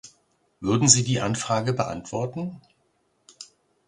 Würden Sie die Anfrage beantworten?